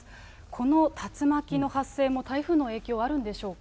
この竜巻の発生も台風の影響あるんでしょうか。